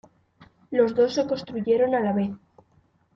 Los dos se construyeron a la vez.